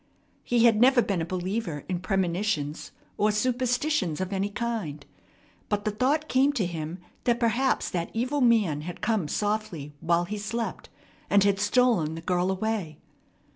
He had never been a believer in premonitions or superstitions of any kind. But the thought came to him that perhaps that evil man had come softly while he slept, and had stolen the girl away.